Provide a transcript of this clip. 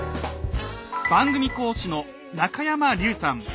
番組講師の中山隆さん。